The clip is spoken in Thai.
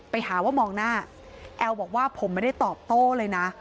ไปหาว่ามองหน้าแอลบอกว่าผมไม่ได้ตอบโต้เลยนะ